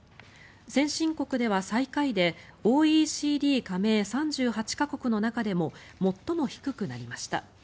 先進国では最下位でＯＥＣＤ加盟３８か国の中でも最も低くなりました。